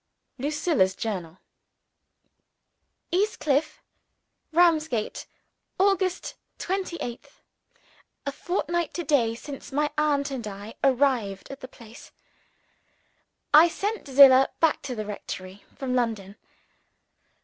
Lucilla's Journal East Cliff Ramsgate, August 28th. A fortnight to day since my aunt and I arrived at this place. I sent Zillah back to the rectory from London.